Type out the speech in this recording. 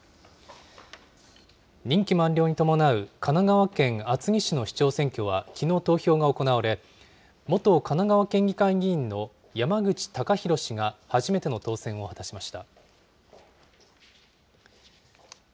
任期満了に伴う神奈川県厚木市の市長選挙はきのう投票が行われ、元神奈川県議会議員の山口貴裕氏が初めての当選を果たしました。